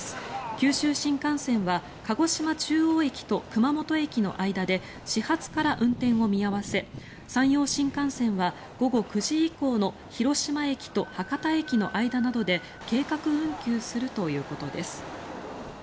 九州新幹線は鹿児島中央駅と熊本駅の間で始発から運転を見合わせ山陽新幹線は午後９時以降の広島駅と博多駅の間などで計画運休するということです。